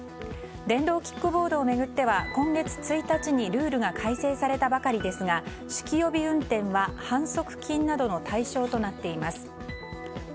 電動キックボードを巡っては今月１日にルールが改正されたばかりですが酒気帯び運転は反則金などの対象となっています。